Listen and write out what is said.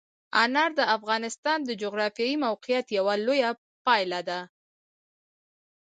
انار د افغانستان د جغرافیایي موقیعت یوه لویه پایله ده.